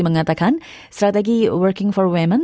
mengatakan strategi working for women